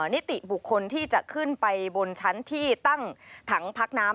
นิติบุคคลที่จะขึ้นไปบนชั้นที่ตั้งถังพักน้ำ